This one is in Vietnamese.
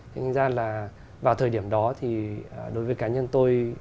nên là vào thời điểm đó thì đối với cá nhân tôi